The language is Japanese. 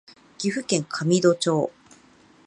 岐阜県神戸町